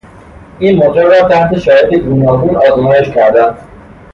این موتور را تحت شرایط گوناگون آزمایش کردند.